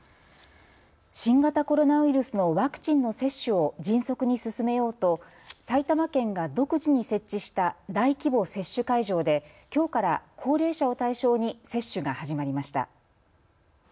新型コロナウイルスのワクチンの接種を迅速に進めようと埼玉県が独自に設置した大規模接種会場できょうから高齢者を対象に接種が始まりました。